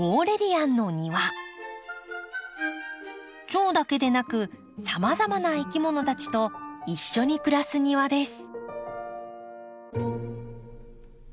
チョウだけでなくさまざまないきものたちと一緒に暮らす庭です。